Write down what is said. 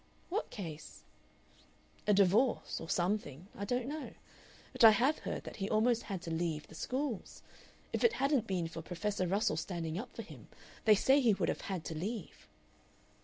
"What case?" "A divorce or something I don't know. But I have heard that he almost had to leave the schools. If it hadn't been for Professor Russell standing up for him, they say he would have had to leave."